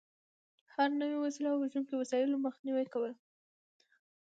د هر نوع وسلې او وژونکو وسایلو مخنیوی کول.